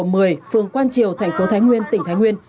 phường quang triều thành phố thái nguyên tỉnh thái nguyên